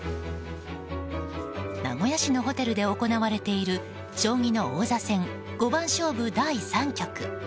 名古屋市のホテルで行われている将棋の王座戦五番勝負第３局。